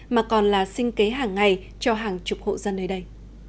mà còn là sinh kế hàng ngày cho hàng chục hộ dân nơi đây